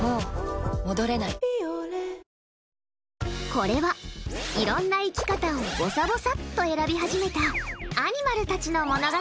これは、いろんな生き方をぼさぼさっと選び始めたアニマルたちの物語。